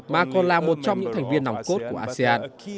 mà còn là một trong những thành viên nòng cốt của asean